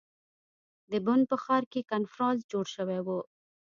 د بن په ښار کې کنفرانس جوړ شوی ؤ.